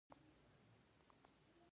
د فرانسې پولې پراخې کړي.